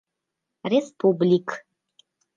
«Республик»